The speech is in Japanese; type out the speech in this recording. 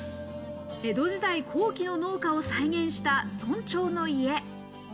江戸時代後期の農家を再現した村長の家。